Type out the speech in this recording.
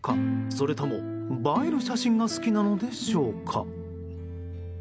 それとも、映える写真が好きなのでしょうか。